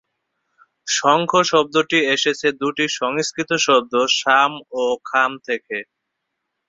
শঙ্খ শব্দটি এসেছে দুটি সংস্কৃত শব্দ 'শাম' ও 'খাম' থেকে।